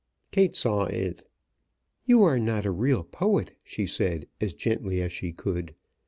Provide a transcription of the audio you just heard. Kate saw it. "You are not a real poet," she said as gently as she could.